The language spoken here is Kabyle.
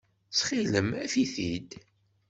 Ttxil-m, af-it-id.